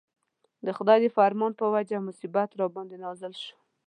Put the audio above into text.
د خدای د فرمان په وجه مصیبت راباندې نازل شو.